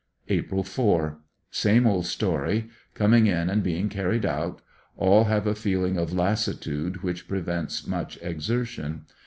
April 4. — Same old story — coming in and being carried out; all have a feeling of lassitude which prevents much exertion.